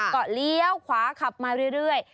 ก็เลี้ยวขวาขับมาเรื่อย